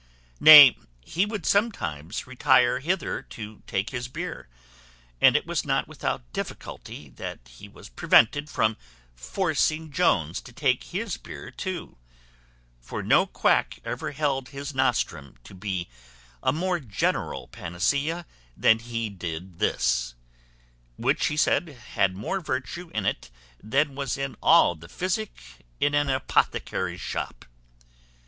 Nay, he would sometimes retire hither to take his beer, and it was not without difficulty that he was prevented from forcing Jones to take his beer too: for no quack ever held his nostrum to be a more general panacea than he did this; which, he said, had more virtue in it than was in all the physic in an apothecary's shop.